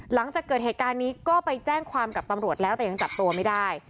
หลังจากเกิดเหตุการณ์นี้ก็ไปแจ้งความกับตำรวจแล้วแต่ยังจับตัวไม่ได้